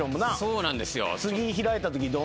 そうなんですよ。